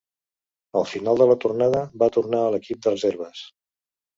Al final de la tornada va tornar a l'equip de reserves.